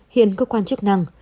hiện cơ quan chức năng